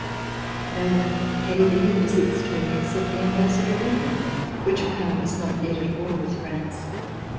No one paid any visits to him, except the Ambassador of England, which power was not yet at war with France.